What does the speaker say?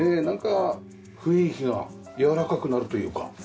なんか雰囲気がやわらかくなるというか。